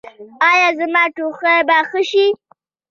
ایا زما ټوخی به ښه شي؟